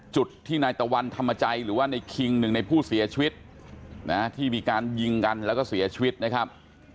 จุดที่นายตะวันธรรมจัยหรือว่าในคิงหนึ่งในผู้เสียชีวิตนะที่มีการยิงกันแล้วก็เสียชีวิตนะครับ